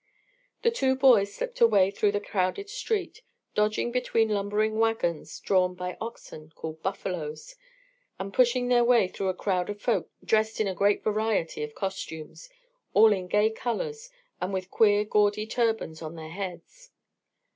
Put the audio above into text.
The two boys slipped away through the crowded street, dodging between lumbering wagons drawn by oxen, called buffaloes, and pushing their way through a crowd of folk dressed in a great variety of costumes, all in gay colours and with queer gaudy turbans on their heads.